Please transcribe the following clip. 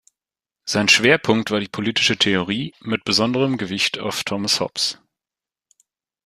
Sein Schwerpunkt war die Politische Theorie, mit besonderem Gewicht auf Thomas Hobbes.